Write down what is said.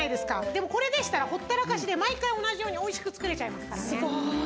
でもこれでしたらほったらかしで毎回同じようにおいしく作れちゃいますからね。